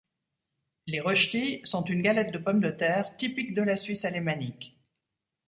Les rösti sont une galette de pommes de terre, typique de la Suisse alémanique.